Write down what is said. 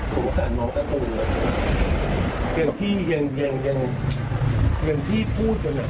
สงสัยน้องกระปุนอย่างที่อกฏเยอะอย่างที่พูดว่านั้น